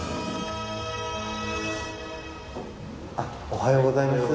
おはようございます。